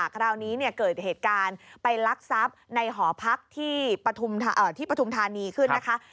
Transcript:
คราวนี้เกิดเหตุการณ์ไปลักทรัพย์ในหอพักที่ปฐุมธานีขึ้นนะคะ